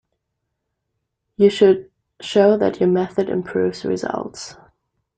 You should show that your method improves results.